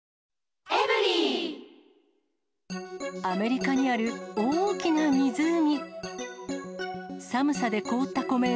アメリカにある大きな湖。